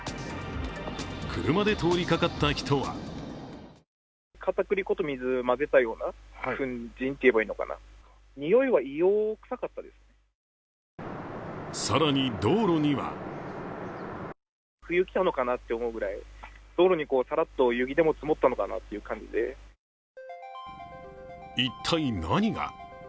車で通りかかった人は更に、道路には一体何が？